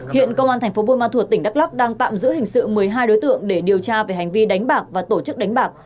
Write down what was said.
hiện công an tp bùi ma thuột tỉnh đắk lắk đang tạm giữ hình sự một mươi hai đối tượng để điều tra về hành vi đánh bạc và tổ chức đánh bạc